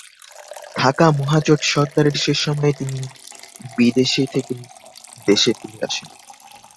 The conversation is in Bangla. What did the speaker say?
থাকা মহাজোট সরকারের শেষ সময়ে তিনি বিদেশ থেকে দেশে ফিরে আসেন।